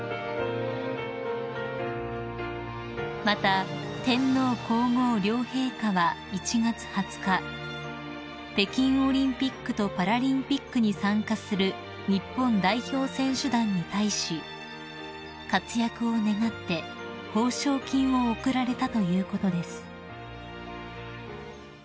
［また天皇皇后両陛下は１月２０日北京オリンピックとパラリンピックに参加する日本代表選手団に対し活躍を願って報奨金を贈られたということです］